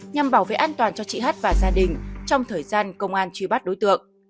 nhằm bảo vệ an toàn cho chị h và gia đình trong thời gian công an truy bắt đối tượng